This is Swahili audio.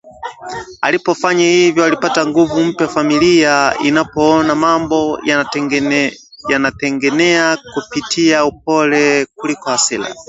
Alipofanya hivyo alipata nguvu mpya familia inapoona mambo yanatengenea kupitia upole kuliko hasira